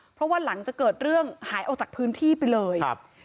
เพราะว่าหลังจากเกิดเรื่องหายออกจากพื้นที่ไปเลยครับ